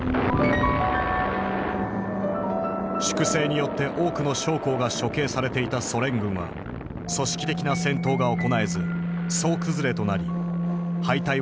粛清によって多くの将校が処刑されていたソ連軍は組織的な戦闘が行えず総崩れとなり敗退を繰り返した。